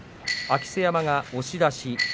明瀬山が押し出し。